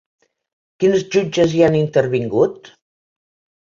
Quins jutges hi han intervingut?